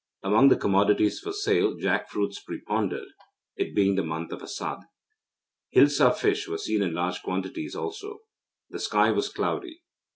Among the commodities for sale jack fruits preponderated, it being the month of Asadh. Hilsa fish were seen in large quantities also. The sky was cloudy.